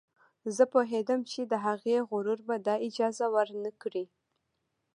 زه پوهېدم چې د هغې غرور به دا اجازه ور نه کړي